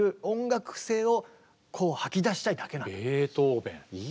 ベートーベン。